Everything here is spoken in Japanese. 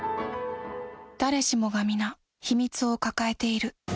誰しもが皆、秘密を抱えている。